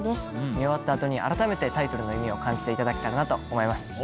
見終わった後に改めてタイトルの意味を感じていただけたらなと思います。